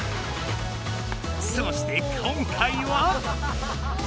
そして今回は。